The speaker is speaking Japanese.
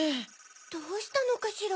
どうしたのかしら？